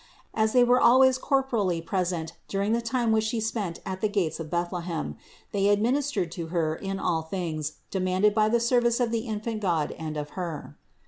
As they were always corporally present during the time which She spent at the gates of Bethlehem, they administered to Her in all things demanded by the service of the infant God and of Her.